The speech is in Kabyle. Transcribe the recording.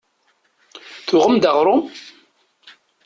Tuɣem-d aɣrum?